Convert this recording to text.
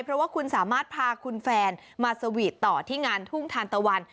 เพราะว่าคุณสามารถพาคุณแฟนมาสวีทต่อที่งานทุ่งทานตะวัน